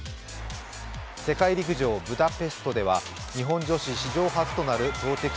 世界陸上ブダペストでは、日本女子史上初となる投てき